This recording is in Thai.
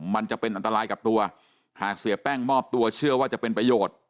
มันจะเป็นอันตรายกับตัวหากเสียแป้งมอบตัวเชื่อว่าจะเป็นประโยชน์